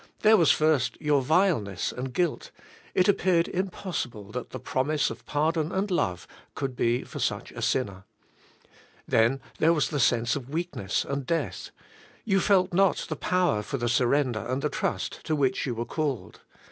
There was first your vileness and guilt: it appeared impossible that the promise of pardon and love could be for such a sin ner. Then there was the sense of weakness and death : you felt not the power for the surrender and the trust to which you were called.